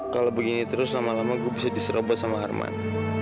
kalau begini terus lama lama gue bisa diserobot sama herman